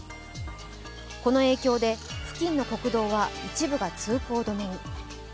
この影響で付近の国道は一部が通行止めに。